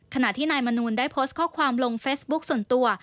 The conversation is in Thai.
ขณะที่นายมนูลได้โพสต์ข้อความลงเฟซบุ๊คส่วนตัว